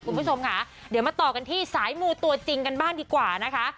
คุณผู้ชมค่ะเดี๋ยวมาต่อกันที่สายมูตัวจริงกันบ้างดีกว่านะคะ